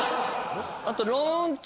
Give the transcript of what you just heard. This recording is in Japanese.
あと「ローンチ」